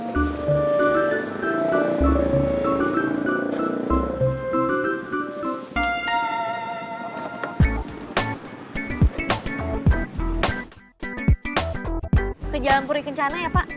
ke jalan purikencana ya pak